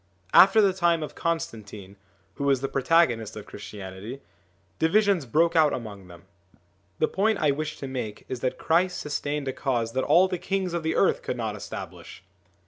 After the time of Constantine, who was the protagonist of Christianity, divisions broke out among them. The point I wish to make is that Christ sustained a cause that all the kings of the earth could not establish